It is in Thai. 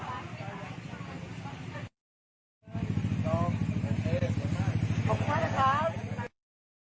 อันดับอันดับอันดับอันดับอันดับ